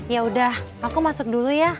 ya udah aku masuk dulu ya